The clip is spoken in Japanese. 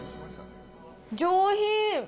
上品。